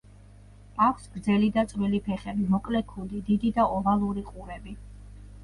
აქვს გრძელი და წვრილი ფეხები, მოკლე კუდი, დიდი და ოვალური ყურები.